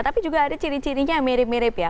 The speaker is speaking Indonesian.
tapi juga ada ciri cirinya mirip mirip ya